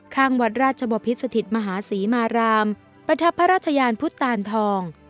ข้างวัดราชบพิษสถิตมหาศรีมารามประทับพระราชยานพุทธตานทอง